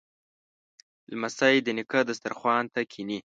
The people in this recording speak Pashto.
لمسی د نیکه دسترخوان ته کیني.